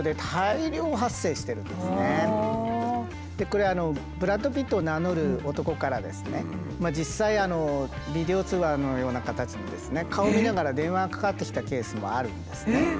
これブラッド・ピットを名乗る男から実際ビデオ通話のような形でですね顔見ながら電話がかかってきたケースもあるんですね。